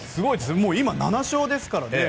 今、もう７勝ですからね。